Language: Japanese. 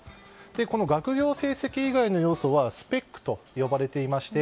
この学業成績以外の要素はスペックと呼ばれていまして